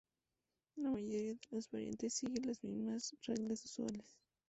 La mayoría de las variantes siguen las mismas reglas usuales.